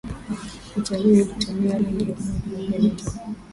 picha hiyo ilitumia rangi ya umoja wa benetton